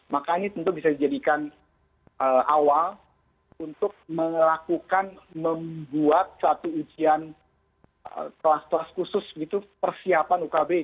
maka ini tentu bisa dijadikan awal untuk melakukan membuat satu ujian kelas kelas khusus gitu persiapan ukb